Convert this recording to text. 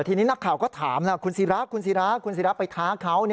ทีนี้นักข่าวก็ถามคุณศิราคุณศิราคุณศิราไปท้าเขา